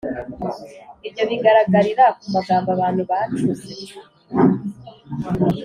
Ibyo bigaragarira ku magambo abantu bacuze